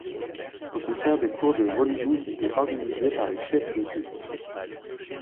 Au contraire des cours de religions qui étaient organisés par les chefs de cultes.